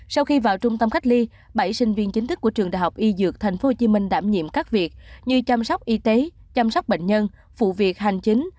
sau khi vào trung tâm cách ly bảy sinh viên chính thức của trường đại học y dược thành phố hồ chí minh đảm nhiệm các việc như chăm sóc y tế chăm sóc bệnh nhân phụ việc hành chính